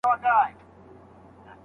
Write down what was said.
وړاندې پلانونه د ماشوم ورځ تنظیموي.